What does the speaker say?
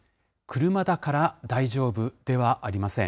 車だから大丈夫ではありません。